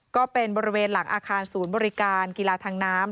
ก็เป็นบริเวณหลังอาคารศูนย์บริการกีฬาทางน้ำ